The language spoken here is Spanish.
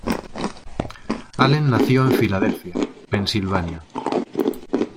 Allen nació en Filadelfia, Pensilvania.